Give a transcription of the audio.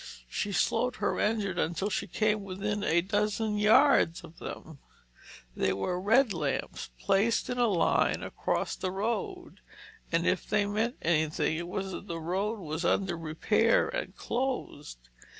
She slowed her engine until she came within a dozen yards of them. They were red lamps, placed in a line across the road, and if they meant anything, it was that the road was under repair and closed.